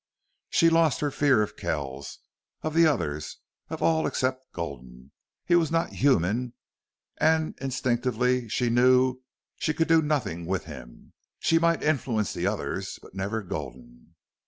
She lost her fear of Kells, of the others, of all except Gulden. He was not human, and instinctively she knew she could do nothing with him. She might influence the others, but never Gulden.